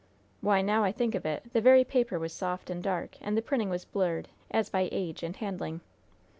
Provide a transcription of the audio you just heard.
Why, now I think of it, the very paper was soft and dark, and the printing was blurred, as by age and handling."